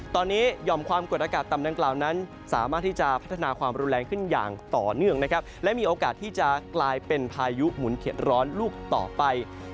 ตอนนี้หย่อมความกดอากาศต่ำดังกล่าวนั้นสามารถที่จะพัฒนาความรุนแรงขึ้นอย่างต่อเนื่องนะครับและมีโอกาสที่จะกลายเป็นพายุหมุนเข็ดร้อนลูกต่อไป